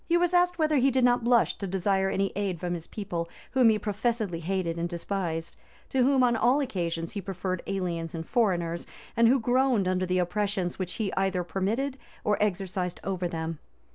He was asked whether he did not blush to desire any aid from his people, whom he professedly hated and despised; to whom on all occasions he preferred aliens and foreigners, and who groaned under the oppressions which he either permitted or exercised over them.